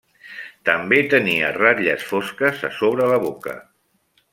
També tenia ratlles fosques a sobre la boca.